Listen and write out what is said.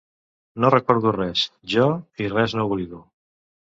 No recordo res, jo, i res no oblido.